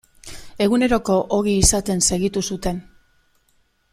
Eguneroko ogi izaten segitu zuten.